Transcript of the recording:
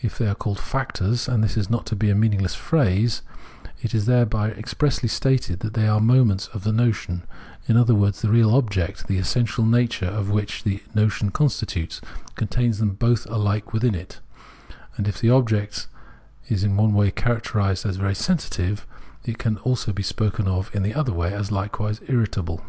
If they are called factors, and this is not to be a meaningless phrase, it is there by expressly stated that they are moments of the notion ; in other words, the real object, the essential nature of which this notion constitutes, contains them both alike within it, and if the object is in one way characterised as very sensitive, it can be also spoken of in the other way as Ukewise irritable.